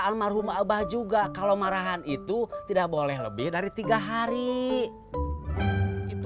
almarhum abah juga kalau marahan itu tidak boleh lebih dari tiga hari itu